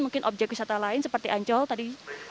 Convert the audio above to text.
mungkin objek wisata lain seperti ancol tadi